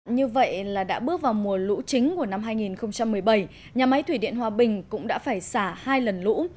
như vậy là đã bước vào mùa lũ chính của năm hai nghìn một mươi bảy nhà máy thủy điện hòa bình cũng đã phải xả hai lần lũ